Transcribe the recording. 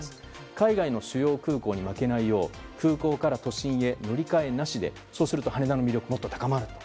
海外の主要空港に負けないよう空港から都心へ乗り換えなしでそうすると羽田の魅力がもっと高まる。